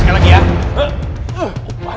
apa sih apa